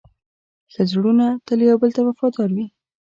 ښه زړونه تل یو بل ته وفادار وي.